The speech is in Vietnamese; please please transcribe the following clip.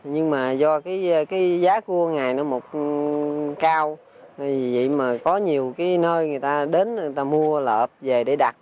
nhưng mà do cái giá cua ngày nó một cao vì vậy mà có nhiều cái nơi người ta đến người ta mua lợp về để đặt